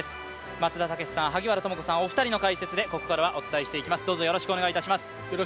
松田丈志さん、萩原智子さん、お二人の解説でここからはお伝えしてまいります。